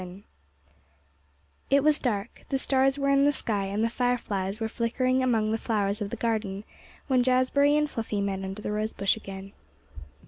XI It was dark; the stars were in the sky, and the fireflies were flickering among the flowers of the garden when Jazbury and Fluffy met under the rosebush again.